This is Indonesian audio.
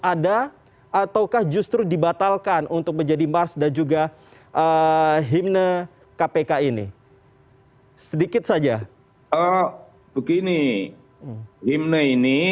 ada ataukah justru dibatalkan untuk menjadi mars dan juga himne kpk ini sedikit saja begini himne ini